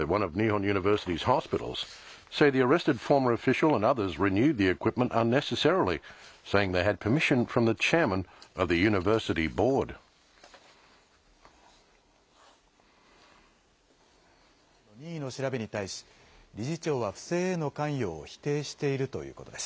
東京地検特捜部の任意の調べに対し、理事長は不正への関与を否定しているということです。